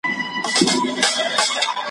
او لوستونکو ته پیغام ورکوي ,